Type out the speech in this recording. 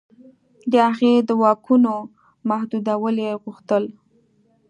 د هغې د واکونو محدودېدل یې غوښتل.